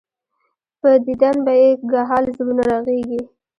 پۀ ديدن به ئې ګهائل زړونه رغيږي